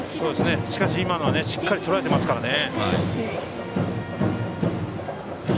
しかし今のはしっかりとらえていますからね。